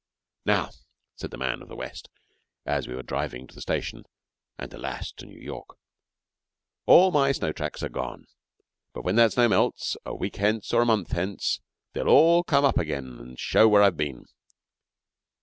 'Now,' said the man of the West, as we were driving to the station, and alas! to New York, 'all my snow tracks are gone; but when that snow melts, a week hence or a month hence, they'll all come up again and show where I've been.'